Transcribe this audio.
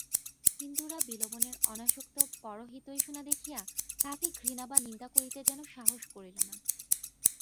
হিন্দুরা বিলবনের অনাসক্ত পরহিতৈষণা দেখিয়া তাঁহাকে ঘৃণা বা নিন্দা করিতে যেন সাহস করিল না।